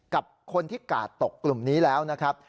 กับคนที่กาดตกกลุ่มนี้แล้วนะครับ